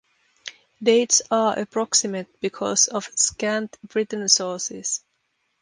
Dates are approximate because of scant written sources.